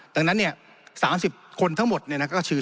ดังนั้นเนี่ย๓๐คนทั้งหมดเนี่ย